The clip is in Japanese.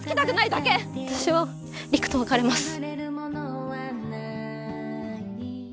私は陸と別れます。